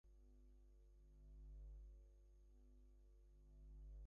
The neighbourhood became much denser and more middle class.